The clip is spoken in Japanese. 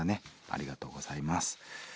ありがとうございます。